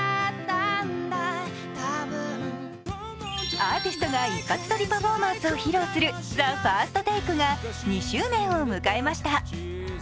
アーティストが一発撮りパフォーマンスを披露する「ＴＨＥＦＩＲＳＴＴＡＫＥ」が２周年を迎えました。